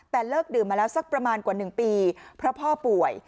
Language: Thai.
แต่เลิกดื่มมาแล้วสักประมาณกว่า๑ปีเพราะพ่อป่วย